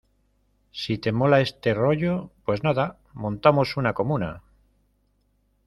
si te mola este rollo, pues nada , montamos una comuna